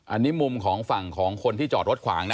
อันนี้มุมของฝั่งของคนที่จอดรถขวางนะ